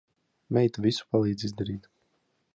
Meita visu palīdz izdarīt.